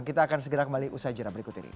kita akan segera kembali usai jeram berikut ini